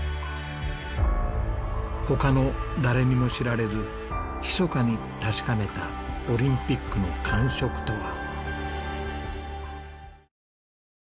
他の誰にも知られずひそかに確かめたオリンピックの感触とは。